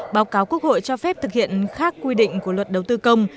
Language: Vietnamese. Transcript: báo cáo quốc hội cho phép thực hiện khác quy định của luật đầu tư công